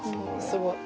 すごい。